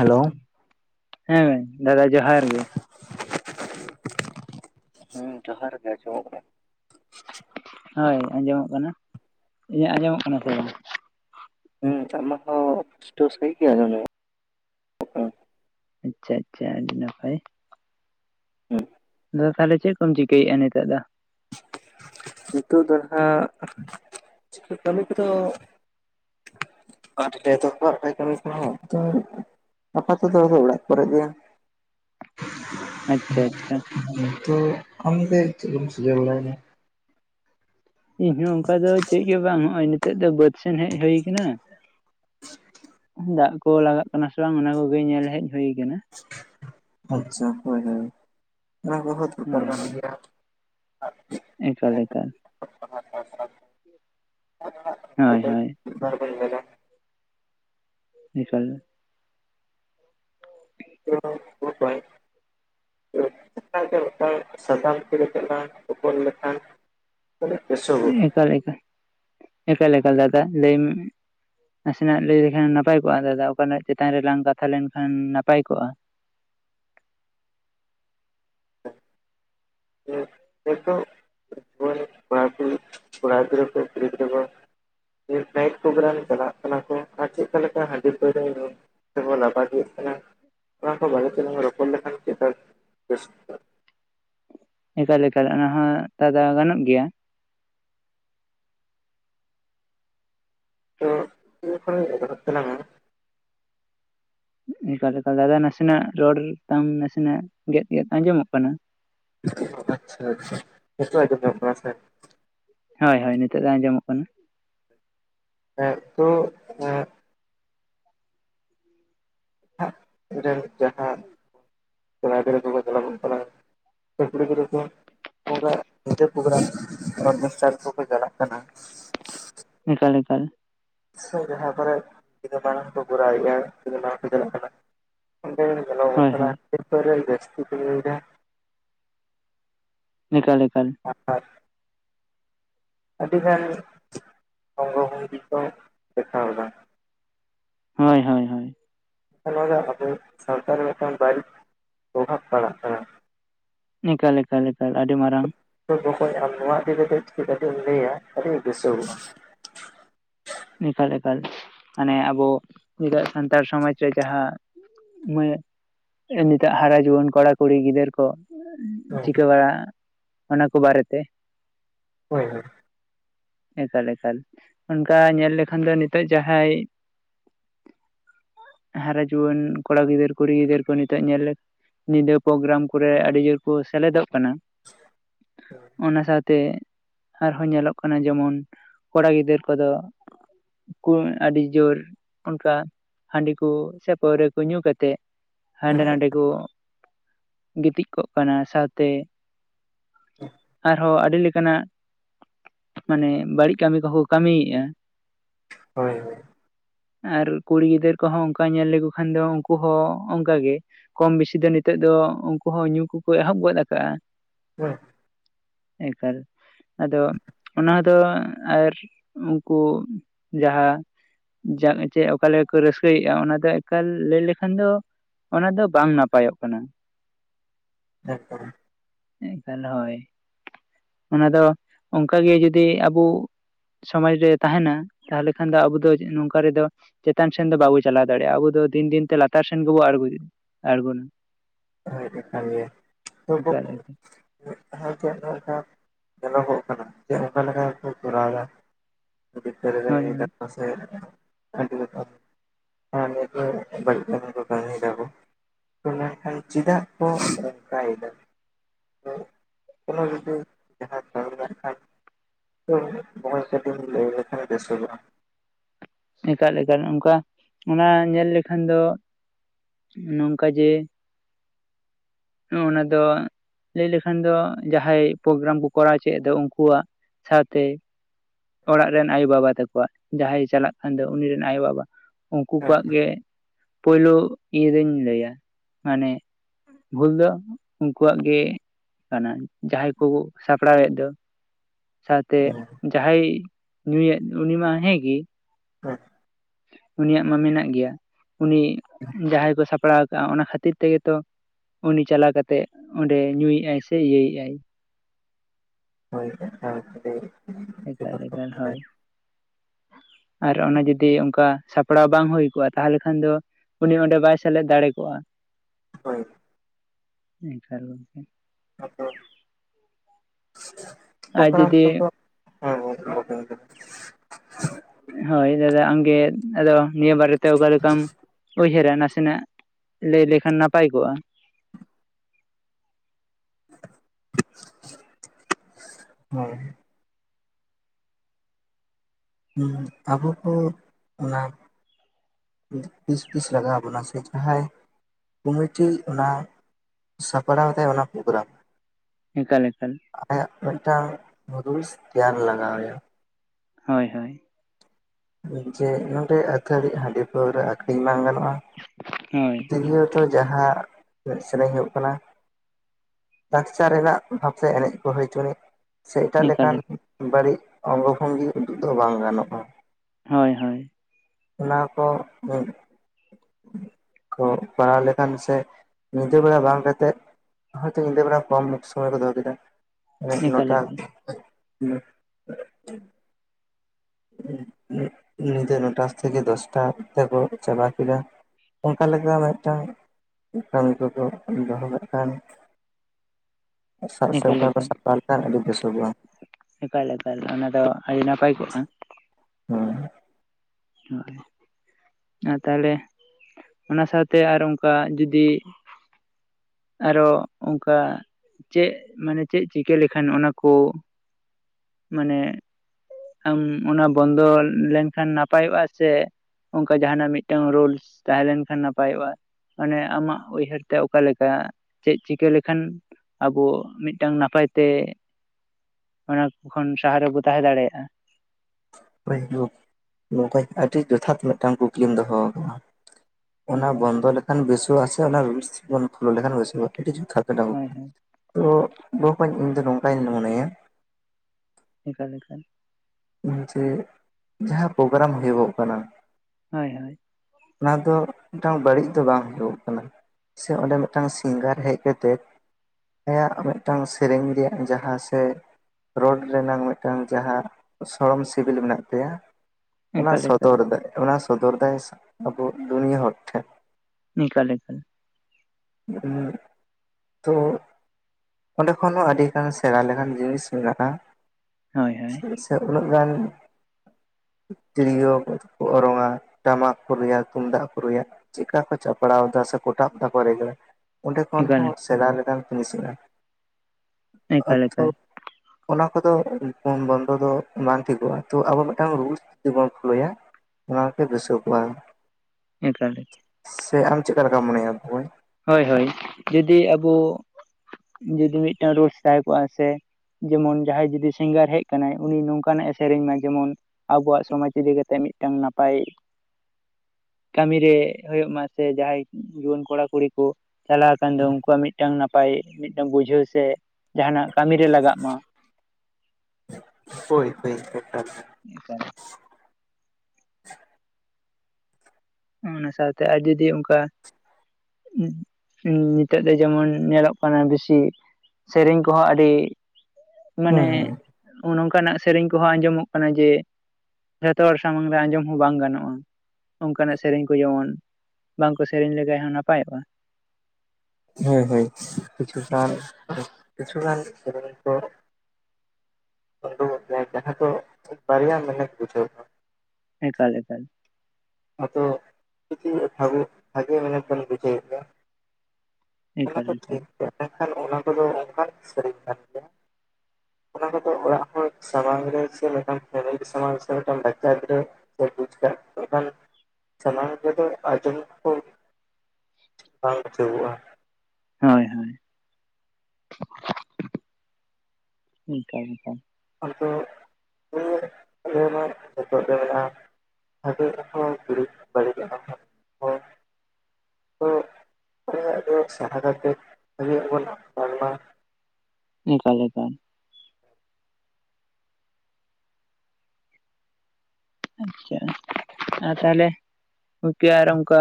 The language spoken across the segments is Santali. ᱦᱮᱞᱳ ᱦᱮᱸ ᱫᱟᱫᱟ ᱡᱚᱦᱟᱨ ᱜᱮ᱾ ᱦᱩᱸ ᱡᱚᱦᱟᱨ ᱜᱮ ᱡᱚᱦᱟᱨ ᱜᱮ, ᱦᱳᱭ ᱟᱸᱡᱚᱢᱚᱜ ᱠᱟᱱᱟ, ᱤᱧᱟᱹᱜ ᱟᱸᱡᱚᱢᱚᱜ ᱠᱟᱱᱟ ᱥᱮ ᱵᱟᱝ? ᱦᱩᱸ ᱟᱢᱟᱜᱛᱚ ᱯᱩᱥᱴᱟᱹᱣ ᱥᱟᱸᱦᱤᱡ ᱜᱮ ᱟᱡᱚᱢ ᱧᱟᱸᱢᱚᱜ [unintelligible] ᱠᱟᱱᱟ᱾ ᱟᱪᱪᱷᱟ ᱟᱪᱪᱷᱟ ᱟᱹᱰᱤ ᱱᱟᱯᱟᱭ, ᱦᱩᱸ ᱟᱫᱚ ᱛᱟᱦᱞᱮ ᱪᱮᱫ ᱠᱚᱢ ᱪᱤᱠᱟᱹᱭᱮᱫᱼᱟ ᱱᱤᱛᱚᱜ ᱫᱚ। ᱱᱤᱛᱚᱜ ᱫᱚ ᱦᱟᱸᱜ ᱠᱟᱹᱢᱤ ᱠᱚᱫᱚ, [unintelligible] ᱟᱯᱟ ᱛᱚᱛᱚ ᱟᱫᱚ ᱚᱲᱟᱜ ᱠᱚᱨᱮ ᱜᱮ, ᱟᱪᱪᱷᱟ ᱟᱪᱪᱷᱟ ᱛᱚ ᱟᱢ ᱜᱮ ᱪᱮᱫ ᱠᱚᱢ ᱪᱤᱠᱟᱹ ᱵᱟᱲᱟᱭ ᱫᱟ। ᱤᱧᱦᱚᱸ ᱚᱱᱠᱟ ᱫᱚ ᱪᱮᱫ ᱜᱮ ᱵᱟᱝ ᱱᱚᱜᱚᱭ ᱱᱤᱛᱚᱜ ᱫᱚ ᱵᱟᱹᱫ ᱥᱮᱱ ᱦᱮᱡ ᱦᱩᱭ ᱠᱟᱱᱟ। ᱫᱟᱜ ᱠᱚ ᱞᱟᱜᱟᱜ ᱠᱟᱱᱟ ᱥᱮ ᱵᱟᱝ ᱚᱱᱟ ᱠᱚᱜᱮ ᱧᱮᱞ ᱦᱮᱡ ᱦᱩᱭ ᱠᱟᱱᱟ। ᱟᱪᱪᱷᱟ ᱦᱳᱭ ᱦᱳᱭ, ᱚᱱᱟ ᱠᱚᱦᱚᱸ ᱫᱚᱨ ᱠᱟᱨ ᱦᱳᱭ ᱠᱟᱱ ᱦᱳᱭ ᱜᱮᱭᱟ। ᱮᱠᱟᱞ ᱮᱠᱟᱞ [inaudible] ᱦᱳᱭ ᱦᱳᱭ, ᱵᱟᱭ ᱜᱚᱡ ᱠᱟᱫᱟ [unintelligible] ᱮᱠᱟᱞ ᱮᱠᱟᱞ ᱥᱟᱛᱟᱢ ᱠᱚ ᱠᱟ. ᱴᱤᱡ ᱞᱟᱝ ᱨᱚᱯᱚᱲ ᱞᱮᱠᱷᱟᱱ, ᱟ. ᱰᱤ ᱯᱚᱥᱚ, ᱮᱠᱟᱞ ᱮᱠᱟᱞ ᱮᱠᱟᱞ ᱮᱠᱟᱞ ᱫᱟᱫᱟ ᱞᱟᱹᱭᱢᱮ, ᱱᱟᱥᱮᱱᱟᱜ ᱞᱟᱹᱭ ᱞᱮᱠᱷᱟᱱ ᱱᱟᱯᱟᱭ ᱠᱚᱜᱼᱟ ᱫᱟᱫᱟ ᱚᱠᱟᱱᱟᱜ ᱪᱮᱛᱟᱱ ᱨᱮᱞᱟᱝ ᱠᱟᱛᱷᱟ ᱞᱮᱱᱠᱷᱟᱱ ᱱᱟᱯᱟᱭ ᱠᱚᱜᱼᱟ। ᱱᱤᱛᱚᱜ, ᱠᱚᱞᱮᱡᱽ ᱠᱚᱲᱟ ᱠᱩᱲᱤ, ᱠᱚᱲᱟ ᱠᱩᱲᱤ ᱠᱚ [unintelligible] ᱱᱟᱭᱤᱴ ᱯᱨᱳᱜᱨᱟᱢ ᱪᱟᱞᱟᱜ ᱠᱟᱱᱟ ᱠᱚ ᱟᱨ ᱪᱮᱫ ᱞᱮᱠᱟ ᱦᱟᱺᱰᱤ ᱯᱟᱹᱣᱨᱟ. ᱨᱮ ᱥᱮᱵᱚᱱ [unintelligible] ᱤᱫᱤᱭᱮᱫ ᱠᱟᱱᱟ ᱚᱱᱟ ᱠᱚ ᱵᱟᱨᱮ ᱛᱮᱞᱟᱝ ᱨᱚᱯᱚᱲ ᱞᱮᱠᱷᱟᱱ ᱠᱟ. ᱡ ᱵᱮᱥ ᱠᱚᱜ ᱟ ᱮᱠᱟᱞ ᱮᱠᱟᱞ ᱚᱱᱟ ᱦᱚᱸ ᱟᱫᱚ ᱜᱟᱱᱚᱜ ᱜᱮᱭᱟ। ᱛᱚ ᱤᱧ ᱠᱷᱚᱱ ᱤᱧ ᱮᱦᱚᱵ ᱛᱟᱞᱟᱝ ᱟ ᱮᱠᱟᱞ ᱮᱠᱟᱞ ᱫᱟᱫᱟ ᱱᱟᱥᱮᱱᱟᱜ ᱨᱚᱲ ᱛᱟᱢ ᱱᱟᱥᱮᱱᱟᱜ ᱜᱮᱫ ᱜᱮᱫ ᱟᱸᱡᱚᱢᱚᱜ ᱠᱟᱱᱟ। ᱟᱪᱪᱷᱟ ᱟᱪᱪᱷᱟ ᱱᱤᱛᱚᱜ ᱟᱸᱡᱚᱢᱚᱜ ᱠᱟᱱᱟ ᱥᱮ ᱦᱮᱸ ᱦᱮᱸ ᱱᱤᱛᱚᱜ ᱫᱚ ᱟᱸᱡᱚᱢᱚᱜ ᱠᱟᱱᱟ ᱾ ᱮᱸᱜ ᱛᱳ ᱮᱫ ᱤᱧ ᱨᱮᱱ ᱡᱟᱦᱟᱸ ᱠᱚᱲᱟ ᱜᱤᱫᱽᱨᱟᱹ ᱠᱚᱠᱚ [unintelligible] ᱠᱟᱱᱟ ᱾ ᱩᱱᱠᱩ ᱛᱟᱠᱚ ᱫᱚᱠᱚ ᱚᱱᱠᱟ ᱤᱥᱴᱮᱪ ᱯᱨᱳᱠᱜᱨᱟᱢ ᱠᱚᱠᱚ ᱪᱟᱞᱟᱜ ᱠᱟᱱᱟ ᱮᱠᱟᱞ ᱮᱠᱟᱞ ᱡᱟᱦᱟᱸ ᱠᱚᱨᱮᱫ [unintelligible] ᱠᱚᱨᱟᱣᱮᱜᱼᱟᱭ ᱠᱚ ᱪᱟᱞᱟᱜ ᱠᱟᱱᱟ ᱚᱸᱰᱮ ᱵᱚᱱ [unintelligible] ᱦᱳᱭ ᱠᱟᱱᱟ ᱦᱳᱭ ᱮᱨᱯᱚᱨᱮ ᱡᱟᱹᱥᱛᱤ ᱠᱚ ᱞᱟᱹᱭ ᱫᱟ। ᱮᱠᱟᱞ ᱮᱠᱟᱞ ᱟᱴᱷᱟᱥ ᱟᱹᱰᱤ ᱜᱟᱱ [unintelligible] ᱠᱚ ᱫᱮᱠᱷᱟᱣ ᱫᱟ ᱾ ᱦᱳᱭ ᱦᱳᱭ ᱦᱳᱭ ᱱᱚᱣᱟ ᱫᱚ ᱟᱵᱚ ᱥᱟᱣᱛᱟ ᱨᱮ ᱢᱤᱫᱴᱟᱝ ᱵᱟᱹᱲᱤᱡ ᱯᱨᱚᱵᱷᱟᱵᱽ ᱯᱟᱲᱟᱜ ᱠᱟᱱᱟ ᱾ ᱱᱤᱠᱟ ᱮᱠᱟᱞ ᱮᱠᱟᱞ ᱟᱹᱰᱤ ᱢᱟᱨᱟᱝ ᱡᱚᱠᱷᱚᱡ ᱟᱢ ᱱᱚᱣᱟ ᱠᱚ ᱞᱮᱭᱟ ᱟᱹᱰᱤ ᱵᱮᱥᱚ [unintelligible] ᱮᱠᱟᱞ ᱮᱠᱟᱞ ᱟᱱᱮ ᱟᱵᱚ ᱱᱤᱛᱚᱜ ᱥᱟᱱᱛᱟᱲ ᱥᱚᱢᱟᱡ ᱨᱮ ᱡᱟᱦᱟᱸ ᱱᱤᱭᱟ. ᱱᱤᱛᱚᱜ ᱦᱟᱨᱟ ᱡᱩᱣᱟᱹᱱ ᱠᱚᱲᱟ ᱠᱩᱲᱤ ᱜᱤᱫᱟᱹᱨ ᱠᱚ ᱦᱮᱸ ᱪᱤᱠᱟᱹ ᱵᱟ ᱚᱱᱟ ᱠᱚ ᱵᱟᱨᱮᱛᱮ ᱦᱳᱭ ᱦᱳᱭ ᱮᱠᱟᱞ ᱮᱠᱟᱞ ᱠᱟ ᱧᱮᱞ ᱞᱮᱠᱷᱟᱱ ᱫᱚ ᱱᱤᱛᱚᱜ ᱡᱟᱦᱟᱸᱭ ᱦᱟᱨᱟ ᱡᱩᱣᱟᱹᱱ ᱠᱚᱲᱟ ᱜᱤᱫᱟᱹᱨ ᱠᱩᱲᱤ ᱜᱤᱫᱟᱹᱨ ᱠᱚ ᱱᱤᱛᱚᱜ ᱧᱮᱞ ᱧᱤᱫᱟᱹ ᱯᱨᱳᱜᱨᱟᱢ ᱠᱚᱨᱮ ᱟᱹᱰᱤ ᱡᱳᱨ ᱠᱚ ᱥᱮᱞᱮᱫᱚᱜ ᱠᱟᱱᱟ ᱾ ᱚᱱᱟ ᱥᱟᱶᱛᱮ ᱟᱨᱦᱚᱸ ᱧᱮᱞᱚᱜ ᱠᱟᱱᱟ ᱡᱮᱢᱚᱱ ᱠᱚᱲᱟ ᱜᱤᱫᱟᱹᱨ ᱠᱚ ᱫᱚ ᱠᱩᱸ ᱟᱹᱰᱤ ᱡᱳᱨ ᱚᱱᱠᱟ ᱦᱟᱺᱰᱤ ᱠᱚ ᱥᱮ ᱯᱟᱹᱣᱨᱟᱹ ᱠᱚ ᱧᱩ ᱠᱟᱛᱮᱜ ᱦᱟᱸᱰᱮ ᱦᱮᱸ ᱱᱟᱰᱮ ᱠᱚ ᱜᱤᱛᱤᱡ ᱠᱚᱜ ᱠᱟᱱᱟ ᱥᱟᱶᱛᱮ ᱟᱨᱦᱚᱸ ᱟᱹᱰᱤ ᱞᱮᱠᱟᱱᱟᱜ ᱢᱟᱱᱮ ᱵᱟᱹᱲᱤᱡ ᱠᱟᱹᱢᱤ ᱠᱚ ᱦᱳᱠ ᱠᱟᱹᱢᱤᱮᱜᱼᱟ᱾ ᱦᱳᱭ ᱦᱳᱭ ᱟᱨ ᱠᱩᱲᱤ ᱜᱤᱫᱟᱹᱨ ᱠᱚᱦᱚᱸ ᱚᱱᱠᱟ ᱧᱮᱞ ᱞᱮᱠᱚ ᱠᱷᱟᱱ ᱫᱚ ᱩᱱᱠᱩ ᱦᱚᱸ ᱚᱱᱠᱟ ᱜᱮ ᱠᱚᱢ ᱵᱮᱥᱤ ᱫᱚ ᱱᱤᱛᱚᱜ ᱫᱚ ᱩᱱᱠᱩ ᱦᱚᱸ ᱧᱩ ᱠᱚᱠᱚ ᱮᱦᱚᱵ ᱜᱚᱫ ᱟᱠᱟᱜᱼᱟ ᱾ ᱦᱮᱸ ᱮᱠᱟᱞ ᱟᱫᱚ ᱚᱱᱟ ᱫᱚ ᱟᱨ ᱩᱱᱠᱩ ᱡᱟᱦᱟᱸ ᱡᱟᱜ ᱪᱮᱜ ᱚᱠᱟ ᱞᱟᱭ ᱠᱚ ᱨᱟᱹᱥᱠᱟᱹᱭᱮᱜᱼᱟ ᱚᱱᱟ ᱫᱚ ᱮᱠᱟᱞ ᱞᱟᱹᱭ ᱞᱮᱠᱷᱟᱱ ᱫᱚ ᱚᱱᱟ ᱫᱚ ᱵᱟᱝ ᱱᱟᱯᱟᱭᱚᱜ ᱠᱟᱱᱟ᱾ ᱮᱠᱫᱚᱢ ᱮᱠᱟᱞ ᱦᱳᱭ ᱚᱱᱟ ᱫᱚ ᱚᱝᱠᱟ ᱜᱮ ᱡᱩᱫᱤ ᱟᱵᱩ ᱥᱚᱢᱟᱡ ᱨᱮ ᱛᱟᱦᱮᱱᱟ ᱛᱟᱦᱚᱞᱮ ᱠᱷᱟᱱ ᱫᱚ ᱟᱵᱚ ᱫᱚ ᱱᱚᱝᱠᱟ ᱨᱮᱫᱚ ᱪᱮᱛᱟᱱ ᱥᱮᱱ ᱫᱚ ᱵᱟᱵᱚ ᱪᱟᱞᱟᱣ ᱫᱟᱲᱮᱭᱟᱜᱼᱟ ᱟᱵᱚ ᱫᱚ ᱫᱤᱱ ᱫᱤᱱ ᱛᱮ ᱞᱟᱛᱟᱨ ᱥᱮᱱ ᱜᱮᱵᱚ ᱟᱬᱜᱚ ᱟᱬᱜᱚᱱᱟ ᱾ ᱦᱳᱭ ᱞᱮᱠᱷᱟ ᱜᱮ ᱮᱠᱟᱞ [unintelligible] ᱮᱠᱟᱞ ᱢᱤᱫ ᱫᱷᱟ ᱡᱮ ᱱᱚᱝᱠᱟᱱ ᱧᱮᱞᱚᱜᱚᱜ ᱠᱟᱱᱟ ᱡᱮ ᱚᱱᱠᱟ ᱞᱮᱠᱟ ᱜᱮᱠᱚ ᱠᱚᱨᱟᱣ ᱫᱟ ᱾ [unintelligible] [unintelligible] ᱦᱳᱭ ᱦᱳᱭ ᱵᱟᱲᱤᱡ ᱠᱟᱢᱤ ᱠᱚ ᱠᱟᱹᱢᱤᱭᱟᱭ ᱠᱚ ᱛᱚ ᱢᱮᱱᱠᱷᱟᱱ ᱪᱤᱫᱟᱜ ᱠᱚ ᱚᱝᱠᱟᱭ ᱮᱫᱟ ᱠᱚᱱᱚ ᱡᱩᱫᱤ [unintelligible] ᱞᱟᱹᱭ ᱞᱮᱠᱷᱟᱱ ᱵᱮᱥᱚᱜᱚᱜᱼᱟ᱾ ᱮᱠᱟᱞ ᱮᱠᱟᱞ ᱚᱝᱠᱟ ᱚᱱᱟ ᱧᱮᱞ ᱞᱮᱠᱷᱟᱱ ᱫᱚ ᱱᱚᱝᱠᱟ ᱡᱮ ᱚᱱᱟ ᱫᱚ ᱞᱟᱹᱭ ᱞᱮᱠᱷᱟᱱ ᱫᱚ ᱡᱟᱦᱟᱸᱭ ᱯᱨᱳᱜᱨᱟᱢ ᱠᱚ ᱠᱚᱨᱟᱣ ᱦᱚᱪᱚᱭᱮᱫᱟ ᱩᱱᱠᱩᱣᱟᱜ ᱥᱟᱶᱛᱮ ᱚᱲᱟᱜ ᱨᱮᱱ ᱟᱭᱳᱵᱟᱵᱟ ᱛᱟᱠᱚᱣᱟᱜ ᱡᱟᱦᱟᱸᱭᱮ ᱪᱟᱞᱟᱜ ᱠᱟᱱ ᱫᱚ ᱩᱱᱤ ᱨᱮᱱ ᱟᱭᱳᱵᱟᱵᱟ ᱩᱱᱠᱩ ᱦᱮᱸ ᱠᱚᱣᱟᱜ ᱜᱮ ᱯᱳᱭᱞᱩ ᱤᱭᱟᱹ ᱫᱚᱧ ᱞᱟᱹᱭᱟ ᱢᱟᱱᱮ ᱵᱷᱩᱞ ᱫᱚ ᱩᱱᱠᱩᱣᱟᱜ ᱜᱮ ᱠᱟᱱᱟ ᱡᱟᱦᱟᱸᱭ ᱠᱚ ᱥᱟᱯᱲᱟᱣᱮᱫ ᱫᱚ ᱥᱟᱶᱛᱮ ᱦᱮᱸ ᱡᱟᱦᱟᱸᱭ ᱧᱩᱭᱮᱫ ᱩᱱᱤ ᱢᱟ ᱦᱮᱸ ᱜᱮ ᱩᱱᱤᱭᱟᱜ ᱢᱟ ᱢᱮᱱᱟᱜ ᱜᱮᱭᱟ ᱩᱱᱤ ᱡᱟᱦᱟᱸᱭ ᱠᱚ ᱥᱟᱯᱲᱟᱣ ᱟᱠᱟᱟᱜ ᱚᱱᱟ ᱠᱷᱟᱹᱛᱤᱨ ᱛᱮᱜᱮᱛᱚ ᱩᱱᱤ ᱪᱟᱞᱟᱣ ᱠᱟᱛᱮᱜ ᱚᱸᱰᱮ ᱧᱩᱭᱮᱟᱭ ᱥᱮ ᱤᱭᱟᱹᱭᱮᱟᱭ ᱾ ᱦᱳᱭ [unintelligible] ᱮᱜᱞ ᱮᱜᱞ ᱦᱚ [inaudible] ᱟᱨ ᱚᱱᱟ ᱡᱩᱚᱫᱤ ᱚᱱᱠᱟ ᱥᱟᱯᱲᱟᱣ ᱵᱟᱝ ᱦᱩᱭ ᱠᱚᱜᱼᱟ ᱛᱟᱦᱚᱞᱮ ᱠᱷᱟᱱ ᱫᱚ ᱩᱱᱤ ᱚᱸᱰᱮ ᱵᱟᱭ ᱥᱮᱞᱮᱫ ᱫᱟᱲᱮ ᱠᱚᱜᱼᱟ᱾ ᱦᱳᱭ ᱮᱠᱟᱞ ᱜᱚᱝᱠᱮ [unintelligible] ᱦᱚᱭ ᱜᱚᱝᱠᱮ ᱟᱨ ᱡᱩᱫᱤ ᱠᱚ ᱠᱟᱢᱤ ᱠᱟᱱᱟ ᱦᱳᱭ ᱫᱟᱫᱟ ᱟᱢᱜᱮ ᱟᱫᱚ ᱱᱤᱭᱟᱹ ᱵᱟᱨᱮᱛᱮ ᱚᱠᱟᱮ ᱞᱮᱠᱟᱢ ᱩᱭᱦᱟᱹᱨᱟ ᱱᱟᱥᱮᱱᱟᱜ᱾ ᱞᱟᱹᱭ ᱞᱮᱠᱷᱟᱱ ᱱᱟᱯᱟᱭ ᱠᱚᱜᱼᱟ? ᱦᱮᱸ ᱟᱵᱚ ᱠᱚ ᱚᱱᱟ ᱯᱤᱥ ᱯᱤᱥ ᱞᱟᱜᱟᱣ ᱵᱚᱱᱟᱹ ᱥᱮ ᱡᱟᱦᱟᱸᱭ ᱠᱚᱢᱤᱴᱤ ᱚᱱᱟ ᱥᱟᱯᱲᱟᱣᱫᱟᱭ ᱚᱱᱟ ᱯᱨᱳᱜᱨᱟᱢ᱾ ᱮᱠᱟᱞ ᱮᱠᱟᱞ ᱟᱭᱟᱜ ᱢᱤᱫᱴᱟᱝ ᱨᱩᱥ ᱛᱮᱭᱟᱨ ᱞᱟᱜᱟᱣᱭᱟ᱾ ᱦᱳᱭ ᱦᱳᱭ ᱡᱮ ᱱᱚᱸᱰᱮ ᱟᱹᱛᱟᱹᱲᱤᱡ ᱦᱟᱺᱰᱤ ᱯᱟᱹᱣᱨᱟᱹ ᱟᱠᱷᱨᱤᱧ ᱵᱟᱝ ᱜᱟᱱᱚᱜᱼᱟ᱾ ᱦᱳᱭ ᱛᱤᱭᱚᱛᱚ ᱡᱟᱦᱟᱸ, ᱮᱱᱮᱡ ᱥᱮᱨᱮᱧ ᱦᱳᱭᱳᱜ ᱠᱟᱱᱟ᱾ ᱞᱟᱠᱪᱟᱨ ᱨᱮᱱᱟᱜ ᱵᱷᱟᱵᱛᱮ ᱮᱱᱮᱡ ᱠᱚ ᱦᱩᱭ ᱦᱳᱭᱪᱩᱱᱤᱡ᱾ ᱥᱮ ᱮᱴᱟᱜ ᱮᱠᱟᱞ ᱞᱮᱠᱟᱱ ᱮᱠᱟᱞ ᱵᱟᱹᱲᱤᱡ ᱚᱝᱜᱚᱵᱷᱚᱝᱜᱤ ᱩᱫᱩᱜ ᱫᱚ ᱵᱟᱝ ᱜᱟᱱᱚᱜᱼᱟ᱾ ᱦᱳᱭ ᱦᱳᱭ ᱚᱱᱟ ᱠᱚ ᱩᱸ ᱠᱚ ᱯᱟᱲᱦᱟᱣ ᱞᱮᱠᱷᱟᱱ ᱥᱮ ᱧᱤᱫᱟᱹ ᱵᱮᱲᱟ ᱵᱟᱝ ᱠᱟᱛᱮᱫ ᱦᱳᱭᱛᱚ ᱧᱤᱫᱟᱹ ᱵᱮᱲᱟ ᱠᱚᱢ [unintelligible] ᱥᱩᱢᱚᱭ ᱠᱚ ᱫᱚᱦᱚ ᱠᱮᱫᱟ᱾ [unintelligible] ᱮᱠᱟᱞ ᱱᱚᱴᱟ ᱮᱠᱟᱞ [unintelligible] ᱧᱤ ᱧᱤᱫᱟᱹ ᱱᱚᱴᱟᱷ ᱫᱚᱥᱴᱟ ᱛᱮᱠᱚ ᱪᱟᱵᱟ ᱠᱮᱫᱟ᱾ ᱚᱱᱠᱟ ᱞᱮᱠᱟ ᱢᱤᱫᱴᱟᱱ ᱠᱟᱹᱢᱤ ᱠᱚᱫᱚ ᱫᱚᱦᱚ ᱠᱟᱜ ᱠᱷᱟᱱ᱾ [unintelligible] ᱮᱠᱟᱞ ᱮᱠᱟᱞ ᱥᱟᱯᱲᱟᱣ ᱟᱹᱰᱤ ᱵᱮᱥ ᱠᱚᱜᱼᱟ ᱾ ᱮᱠᱟᱞ ᱮᱠᱟᱞ ᱚᱱᱟ ᱫᱚ ᱟᱹᱰᱤ ᱱᱟᱯᱟᱭ ᱠᱚᱜᱼᱟ᱾ ᱦᱩᱸ ᱦᱚᱭ ᱟᱨ ᱛᱟᱦᱚᱞᱮ ᱚᱱᱟ ᱥᱟᱶᱛᱮ ᱟᱨ ᱚᱝᱠᱟ ᱡᱩᱫᱤ ᱟᱨᱚ ᱚᱝᱠᱟ ᱪᱮᱜ ᱢᱟᱱᱮ ᱪᱮᱜ ᱪᱤᱠᱟᱹ ᱞᱮᱠᱷᱟᱱ ᱚᱱᱟᱠᱚ ᱢᱟᱱᱮ ᱟᱢ ᱚᱱᱟ ᱵᱚᱱᱫᱚ ᱞᱮᱱᱠᱷᱟᱱ ᱱᱟᱯᱟᱭᱚᱜᱼᱟ ᱥᱮ ᱚᱝᱠᱟ ᱡᱟᱦᱱᱟᱜ ᱢᱤᱫᱴᱟᱝ ᱨᱳᱞᱥ ᱛᱟᱦᱮᱸ ᱞᱮᱱᱠᱷᱟᱱ ᱱᱟᱯᱟᱭᱚᱜᱼᱟ᱾ ᱢᱟᱱᱮ ᱟᱢᱟᱜ ᱩᱭᱦᱟᱹᱨ ᱛᱮ ᱚᱠᱟᱞᱮᱠᱟ ᱪᱮᱫ ᱪᱤᱠᱟᱹ ᱞᱮᱠᱷᱟᱱ ᱟᱵᱚ ᱢᱤᱫᱴᱟᱝ ᱱᱟᱯᱟᱭᱛᱮ ᱚᱱᱟ ᱠᱷᱚᱱ ᱥᱟᱦᱟᱨ ᱨᱮᱵᱚ ᱛᱟᱦᱮᱸ ᱫᱟᱲᱮᱭᱟᱜᱼᱟ᱾ ᱦᱚᱭ ᱦᱳ ᱵᱚᱠᱚᱧ ᱟᱹᱰᱤ ᱡᱚᱛᱷᱟᱛ ᱢᱤᱫᱴᱟᱝ ᱠᱩᱠᱞᱤᱢ ᱫᱚᱦᱚ ᱠᱟᱫᱟ᱾ ᱚᱱᱟ ᱮᱠᱟᱞ ᱵᱚᱱᱫᱚ ᱞᱮᱠᱷᱟᱱ ᱵᱮᱥᱚᱜ ᱟ ᱥᱮ ᱚᱱᱟ ᱨᱩᱢ ᱵᱚᱱ ᱯᱷᱩᱞᱟᱹ ᱞᱮᱠᱷᱟᱱ ᱵᱮᱥᱼᱟ ᱟᱹᱰᱤ ᱡᱚᱛᱷᱟᱛ᱾ [unintelligible] ᱦᱳᱭ ᱦᱳᱭ ᱛᱚ ᱱᱚᱣᱟ ᱠᱷᱚᱱ ᱤᱧ ᱫᱚ ᱱᱚᱝᱠᱟᱧ ᱢᱚᱱᱮᱭᱟ᱾ ᱮᱠᱟᱞ ᱮᱠᱟᱞ ᱱᱚ ᱡᱮ ᱡᱟᱦᱟᱸ ᱯᱨᱳᱜᱨᱟᱢ ᱦᱳᱭᱳᱜᱚᱜ ᱠᱟᱱᱟ᱾ ᱦᱳᱭ ᱦᱳᱭ ᱚᱱᱟ ᱫᱚ ᱢᱤᱫᱴᱟᱝ ᱵᱟᱹᱲᱤᱡ ᱫᱚ ᱵᱟᱝ ᱦᱳᱭᱳᱜ ᱠᱟᱱᱟ᱾ ᱥᱮ ᱚᱸᱰᱮ ᱢᱤᱫᱴᱟᱝ ᱥᱤᱝᱜᱟᱨ ᱦᱮᱡ ᱠᱟᱛᱮᱫ ᱟᱭᱟᱜ ᱢᱤᱫᱴᱟᱝ ᱥᱮᱨᱮᱧ ᱨᱮᱭᱟᱜ ᱡᱟᱦᱟᱸ ᱥᱮ, ᱨᱚᱲ ᱨᱮᱱᱟᱝ ᱢᱤᱫᱴᱟᱝ ᱡᱟᱦᱟᱸ ᱥᱚᱲᱚᱢ ᱥᱤᱵᱤᱞ ᱢᱮᱱᱟᱜ ᱛᱟᱭᱟ ᱚᱱᱟ ᱮᱠᱟᱞ ᱮᱠᱟᱞ ᱥᱚᱛᱚᱨ ᱮᱫᱟᱭ᱾ ᱚᱱᱟ ᱥᱚᱫᱚᱨᱫᱟᱭ ᱟᱵᱚ ᱫᱩᱱᱤᱭᱟᱹ ᱦᱚᱲ ᱴᱷᱮᱜ᱾ ᱱᱤᱠᱟ ᱞᱮᱠᱟ᱾ ᱛᱚ ᱚᱸᱰᱮ ᱠᱷᱚᱱ ᱦᱚᱸ ᱟᱹᱰᱤᱜᱟᱱ ᱥᱮᱬᱟ ᱞᱮᱠᱟᱱ ᱡᱤᱱᱤᱥ ᱢᱮᱱᱟᱜᱼᱟ᱾ ᱦᱳᱭ ᱦᱳᱭ ᱥᱮ ᱥᱮ ᱩᱱᱟᱹᱜ ᱜᱟᱱ ᱛᱤᱨᱤᱭᱳ ᱠᱚ ᱚᱨᱚᱝᱟ ᱴᱟᱢᱟᱠ ᱠᱚ ᱨᱩᱭᱟ ᱛᱩᱢᱫᱟᱜ ᱠᱚ ᱨᱩᱭᱟ᱾ ᱪᱮᱜᱠᱟ ᱠᱚ ᱪᱟᱯᱲᱟᱣ ᱫᱟ ᱥᱮ, ᱠᱚᱴᱟᱵ ᱫᱟᱠᱚ ᱨᱮᱜᱽᱲᱟ᱾ ᱚᱸᱰᱮ ᱠᱷᱚᱱ ᱮᱠᱟᱞ ᱦᱚᱸ ᱥᱮᱬᱟ ᱞᱮᱠᱟᱱ ᱡᱤᱱᱤᱥ ᱢᱮᱱᱟᱜᱼᱟ᱾ ᱮᱠᱟᱞ ᱟᱛᱳ ᱮᱠᱟᱞ ᱚᱱᱟ ᱠᱚᱫᱚ ᱵᱚᱱᱫᱚ ᱫᱚ ᱵᱟᱝ ᱴᱷᱤᱠᱚᱜᱼᱟ ᱛᱚ ᱟᱵᱚ ᱢᱤᱫᱴᱟᱝ ᱨᱩᱞᱥ ᱡᱩᱫᱤᱵᱚᱱ ᱯᱷᱳᱞᱳᱭᱟ᱾ ᱚᱱᱟ ᱜᱮ ᱫᱤᱥᱟᱹ ᱠᱚᱣᱟ᱾ ᱮᱠᱟᱞ ᱥᱮ ᱟᱢ ᱪᱮᱫ ᱞᱮᱠᱟᱢ ᱢᱚᱱᱮᱭᱟ ᱾ ᱵᱚᱠᱚᱧ? ᱦᱳᱭ ᱦᱳᱭ ᱡᱩᱫᱤ ᱟᱵᱚ ᱡᱩᱫᱤ ᱢᱤᱫᱴᱟᱝ ᱨᱩᱞᱥ ᱛᱟᱦᱮᱸ ᱠᱚᱜᱼᱟ ᱥᱮ ᱡᱮᱢᱚᱱ ᱡᱟᱦᱟᱸᱭ ᱡᱩᱫᱤ ᱥᱤᱝᱜᱟᱨ ᱦᱮᱡ ᱟᱠᱟᱱᱟᱭ, ᱩᱱᱤ ᱱᱚᱝᱠᱟᱱᱟᱜᱼᱮ ᱥᱮᱨᱮᱧ ᱢᱟ ᱡᱮᱢᱚᱱ ᱟᱵᱚᱣᱟᱜ ᱥᱚᱢᱟᱡᱽ ᱤᱫᱤ ᱠᱟᱛᱮᱫ ᱢᱤᱫᱴᱟᱝ ᱱᱟᱯᱟᱭ ᱠᱟᱹᱢᱤ ᱨᱮ ᱦᱳᱭᱳᱜ ᱢᱟ ᱥᱮ ᱡᱟᱦᱟᱸᱭ ᱡᱩᱣᱟᱹᱱ ᱠᱚᱲᱟ ᱠᱩᱲᱤ ᱠᱚ ᱪᱟᱞᱟᱣ ᱟᱠᱟᱱ ᱫᱚ ᱩᱱᱠᱩᱣᱟᱜ ᱢᱤᱫᱴᱟᱝ ᱱᱟᱯᱟᱭ ᱢᱤᱫᱴᱟᱝ ᱵᱩᱡᱷᱟᱹᱣ ᱥᱮ ᱡᱟᱦᱱᱟᱜ ᱠᱟᱹᱢᱤᱨᱮ ᱞᱟᱜᱟᱜ ᱢᱟ᱾ ᱦᱳᱭ ᱦᱳᱭ [unintelligible] ᱮᱠᱟᱞ ᱚᱱᱟ ᱥᱟᱶᱛᱮ ᱟᱨ ᱡᱩᱫᱤ ᱚᱱᱠᱟ ᱱᱤᱛᱚᱜ ᱫᱚ ᱡᱮᱢᱚᱱ ᱧᱮᱞᱚᱜ ᱠᱟᱱᱟ ᱵᱮᱥᱤ ᱥᱮᱹᱨᱮᱧ ᱠᱚᱦᱚᱸ ᱟᱹᱰᱤ ᱦᱩᱸ ᱢᱟᱱᱮ ᱦᱩᱸ ᱱᱚᱝᱠᱟᱱᱟᱜ ᱥᱮᱨᱮᱧ ᱠᱚᱦᱚᱸ ᱟᱸᱡᱚᱢᱚᱜ ᱠᱟᱱᱟ ᱡᱮ ᱡᱚᱛᱚ ᱦᱚᱲ ᱥᱟᱢᱟᱝ ᱨᱮ ᱟᱸᱡᱚᱢ ᱦᱚᱸ ᱵᱟᱝ ᱜᱟᱱᱚᱜᱼᱟ ᱚᱱᱠᱟᱱᱟᱜ ᱥᱮᱨᱮᱧ ᱠᱚ ᱡᱮᱢᱚᱱ ᱵᱟᱝᱠᱚ ᱥᱮᱨᱮᱧ ᱞᱮᱠᱷᱟᱡ ᱦᱚᱸ ᱱᱟᱯᱟᱭᱚᱜᱼᱟ ᱦᱳᱭ ᱦᱳᱭ ᱠᱤᱪᱷ ᱜᱟᱱ ᱮᱠᱟᱞ ᱠᱤᱪᱷᱩᱜᱟᱱ ᱥᱮᱨᱮᱧ ᱠᱚ ᱚᱱᱰᱮ ᱡᱟᱦᱟᱸ ᱫᱚ ᱵᱟᱨᱭᱟ ᱢᱮᱱᱮ ᱵᱩᱡᱷᱟᱹᱣ ᱮᱠᱟᱞ ᱮᱠᱟᱞ᱾ ᱟᱫᱚ ᱪᱟᱹᱜ ᱵᱷᱟᱜᱮ ᱵᱷᱟᱜᱮ ᱢᱚᱱᱮ ᱵᱮᱱ ᱵᱩᱡᱷᱟᱹᱣᱮᱫ ᱞᱮᱭᱟ᱾ ᱚᱱᱟ ᱮᱠᱟᱞ ᱠᱚ ᱮᱠᱟᱞ ᱴᱷᱤᱠ ᱜᱮᱭᱟ ᱢᱮᱱᱠᱷᱟᱱ ᱚᱱᱟ ᱠᱚᱫᱚ ᱚᱱᱠᱟᱱᱮ ᱥᱮᱨᱮᱧ ᱠᱟᱱ ᱜᱮᱭᱟ ᱚᱱᱟ ᱠᱚᱫᱚ ᱚᱲᱟᱜ ᱦᱚᱲ ᱥᱟᱢᱟᱝ ᱨᱮ ᱥᱮ ᱢᱤᱫᱴᱟᱝ ᱯᱷᱮᱢᱮᱞᱤ ᱥᱟᱢᱟᱝ ᱥᱮ ᱢᱤᱫᱴᱟᱝ ᱵᱟᱪᱟ ᱜᱤᱫᱽᱨᱟᱹ [unintelligible] ᱥᱟᱱᱟᱢ ᱨᱮᱫᱚ ᱟᱡᱚᱱ ᱠᱚ ᱵᱟᱝ ᱵᱩᱡᱷᱟᱹᱚᱜᱼᱟ ᱦᱳᱭ ᱦᱳᱭ [unintelligible] [unintelligible] ᱟᱫᱚ ᱱᱤᱭᱟᱹ ᱟᱞᱮᱢᱟ ᱱᱤᱛᱚᱜ ᱫᱚ ᱢᱮᱱᱟᱜᱼᱟ ᱾ [unintelligible] [inaudible] [unintelligible] [unintelligible] ᱥᱟᱦᱟ ᱠᱟᱛᱮᱫ [unintelligible] [unintelligible] ᱚᱱᱠᱟ ᱞᱮᱠᱟ᱾ ᱟᱪᱪᱷᱟ ᱟᱨ ᱛᱟᱦᱚᱞᱮ ᱜᱚᱢᱠᱮ ᱟᱨ ᱚᱱᱠᱟ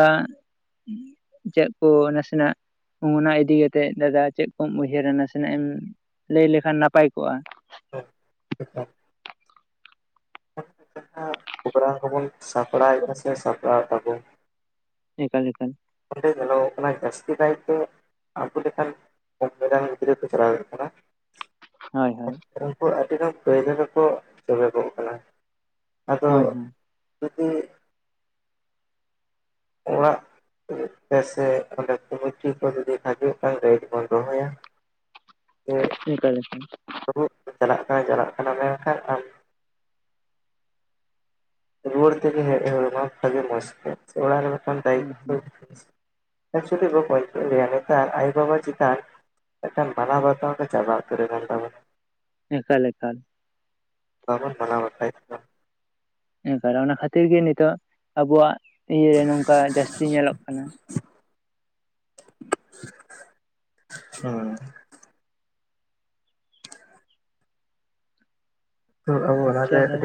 ᱪᱮᱫ ᱠᱚ ᱱᱟᱥᱮᱱᱟᱜ ᱚᱱᱟ ᱤᱫᱤ ᱠᱟᱛᱮᱜ ᱫᱟᱫᱟ ᱪᱮᱫ ᱠᱚᱢ ᱩᱭᱦᱟᱹᱨ ᱱᱟᱥᱮᱱᱟᱜ ᱮᱢ ᱞᱟᱹᱭ ᱞᱮᱠᱷᱟᱱ ᱱᱟᱯᱟᱭ ᱠᱚᱜᱼᱟ [inaudible] ᱯᱨᱳᱜᱨᱟᱢ ᱠᱚᱵᱚᱱ ᱥᱟᱯᱲᱟᱣᱮᱫᱟ ᱥᱮ ᱥᱟᱯᱲᱟᱣ ᱛᱟᱵᱚᱱ ᱮᱠᱟᱞ ᱮᱠᱟᱞ ᱚᱸᱰᱮ ᱪᱟᱞᱟᱣ ᱠᱟᱱᱟ ᱡᱟᱹᱥᱛᱤ ᱠᱟᱭᱛᱮ ᱟᱵᱚ ᱞᱮᱠᱟᱱ ᱨᱮᱱ ᱜᱤᱫᱽᱨᱟᱹ ᱠᱚ ᱪᱟᱞᱟᱣᱮᱫ ᱠᱟᱱᱟ ᱦᱳᱭ ᱦᱳᱭ ᱩᱱᱠᱩ ᱟᱹᱰᱤᱜᱟᱱ ᱯᱟᱹᱭᱞᱟᱹ ᱨᱮᱠᱚ ᱪᱚᱵᱮᱫᱚᱜ ᱠᱟᱱᱟ ᱟᱫᱚ ᱦᱳᱭ ᱦᱳᱭ ᱡᱩᱫᱤ ᱚᱲᱟᱜ ᱥᱮ ᱚᱸᱰᱮ ᱠᱩᱢᱴᱤ ᱠᱚ ᱡᱩᱫᱤ ᱦᱤᱡᱩᱜ ᱠᱷᱟᱱ ᱨᱮᱴ ᱵᱚᱱ ᱨᱚᱦᱚᱭᱟ ᱮᱠᱟᱞ ᱮᱠᱟᱞ [unintelligible] ᱪᱟᱞᱟᱜ ᱠᱟᱱᱟ ᱪᱟᱞᱟᱜ ᱠᱟᱱᱟ ᱢᱮᱱᱠᱷᱟᱱ [unintelligible] ᱨᱩᱣᱟᱹᱲ ᱛᱮᱜᱮ ᱦᱮᱡ ᱦᱚᱲ ᱢᱟ ᱵᱷᱟᱜᱮ ᱢᱚᱡᱽᱛᱮ ᱥᱮ ᱚᱲᱟᱜ ᱨᱮ ᱢᱤᱫᱟᱱ ᱦᱳᱭ ᱫᱟᱭᱤᱛᱚ ᱦᱳᱭ [unintelligible] ᱱᱮᱛᱟᱨ ᱟᱭᱳ-ᱵᱟᱵᱟ ᱪᱮᱛᱟᱱ᱾ ᱢᱤᱫᱴᱮᱱ ᱢᱟᱱᱟᱣ ᱵᱟᱛᱟᱣ ᱜᱮ ᱪᱟᱵᱟ ᱩᱛᱟᱹᱨ ᱠᱟᱱ ᱛᱟᱵᱚᱱᱟ ᱮᱠᱟᱞ ᱮᱠᱟᱞ [unintelligible] ᱟᱨ ᱚᱱᱟ ᱠᱷᱟᱹᱛᱤᱨ ᱜᱮ ᱱᱤᱛᱚᱜ ᱟᱵᱚᱣᱟᱜ ᱤᱭᱟᱹᱨᱮ ᱱᱚᱝᱠᱟ ᱡᱟᱹᱥᱛᱤ ᱧᱮᱞᱚᱜ ᱠᱟᱱᱟ ᱦᱩᱸ ᱛᱚ ᱟᱵᱚ ᱚᱱᱟᱨᱮ ᱟᱪᱪᱷᱟ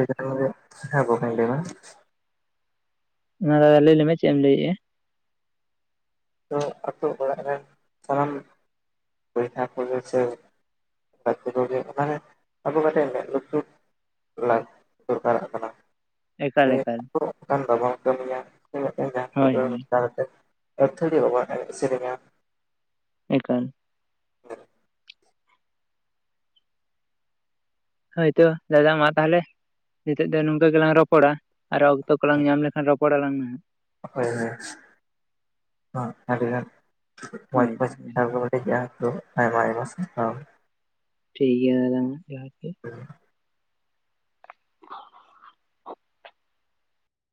[inaudible] ᱚᱱᱟ ᱫᱟᱫᱟ ᱞᱟᱹᱭ ᱞᱮ ᱢᱮ ᱪᱮᱫ ᱮᱢ ᱞᱟᱹᱭᱮᱜᱼᱟ ᱛᱚ ᱟᱹᱛᱳ ᱚᱲᱟᱜ ᱨᱮᱱ ᱥᱟᱱᱟᱢ ᱵᱚᱭᱦᱟ ᱠᱚᱫᱚ ᱥᱮ [inaudible] ᱞᱟ ᱫᱚᱨᱠᱟᱨᱟᱜ ᱠᱟᱱᱟ ᱮᱠᱟᱞ ᱥᱮ ᱮᱠᱟᱞ ᱚᱱᱠᱟᱱ ᱵᱟᱵᱚᱱ ᱠᱟᱹᱢᱤᱭᱟ ᱦᱳᱭ ᱦᱳᱭ ᱠᱟᱛᱮᱜ ᱮᱛᱷᱟᱨᱤ ᱚ ᱥᱮᱨᱮᱧᱟ ᱮᱠᱟᱞ ᱦᱳᱭᱛᱚ ᱫᱟᱫᱟ ᱢᱟ ᱛᱟᱦᱚᱞᱮ ᱱᱤᱛᱚᱜ ᱫᱚ ᱱᱚᱝᱠᱟ ᱜᱮᱞᱟᱝ ᱨᱚᱯᱚᱲᱟ ᱟᱨ ᱚᱠᱛᱚ ᱠᱚᱞᱟᱝ ᱧᱟᱢ ᱞᱮᱠᱷᱟᱱ ᱨᱚᱯᱚᱲᱟᱞᱟᱝ ᱱᱟᱜ ᱦᱳᱭ ᱦᱳᱭ ᱟᱹᱰᱤᱜᱟᱱ ᱢᱚᱡᱽ ᱦᱳᱭ ᱠᱟᱛᱷᱟ ᱠᱚ ᱵᱮᱱ ᱴᱷᱤᱠ ᱜᱮᱭᱟ ᱛᱚ ᱟᱭᱢᱟ ᱟᱭᱢᱟ ᱥᱟᱨᱦᱟᱣ ᱴᱷᱤᱠ ᱜᱮᱭᱟ [inaudible]